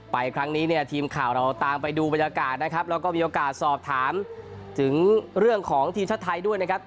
ครั้งนี้เนี่ยทีมข่าวเราตามไปดูบรรยากาศนะครับแล้วก็มีโอกาสสอบถามถึงเรื่องของทีมชาติไทยด้วยนะครับ